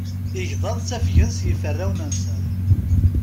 Igḍaḍ ttafgen s yiferrawen-nsen.